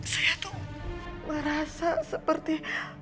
saya tuh merasa seperti